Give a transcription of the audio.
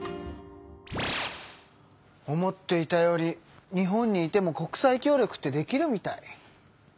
思っていたより日本にいても国際協力ってできるみたい！